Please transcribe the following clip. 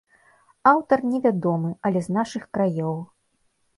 Аўтар невядомы, але з нашых краёў.